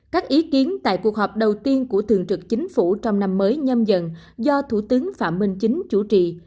các ý kiến tại cuộc họp đầu tiên của thường trực chính phủ trong năm mới nhâm dần do thủ tướng phạm minh chính chủ trì